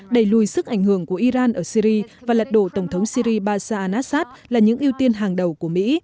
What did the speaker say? đẩy lùi sức ảnh hưởng của iran ở syri và lật đổ tổng thống syri bashar al assad là những ưu tiên hàng đầu của mỹ